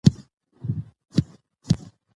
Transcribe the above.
که په تعلیم کې بریا وي نو تیارې ورکېږي.